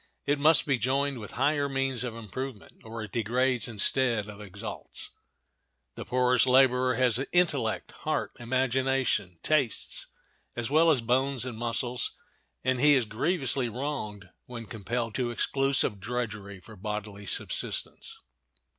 It must be joined with higher means of improvement, or it degrades instead of exalts. The poorest laborer has intellect, heart, imagination, tastes, as well as bones and muscles, and he is grievously wronged when compelled to exclusive drudgery for bodily subsistence.